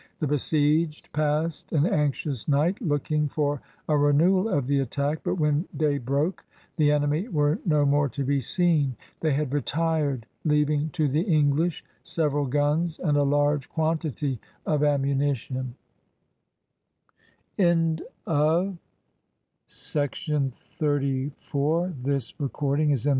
The besieged passed an anxious night, looking for a renewal of the attack. But when day broke, the enemy were no more to be seen. They had retired, leaving to the English several guns and a large quantity of ammunition.